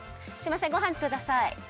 すいませんごはんください。